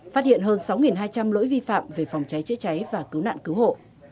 phát hiện hơn sáu hai trăm linh lỗi vi phạm về phòng cháy chữa cháy và cứu nạn cứu hộ